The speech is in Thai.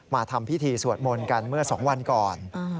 ทำพิธีสวดมนต์กันเมื่อ๒วันก่อน